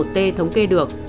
hai mươi một t thống kê được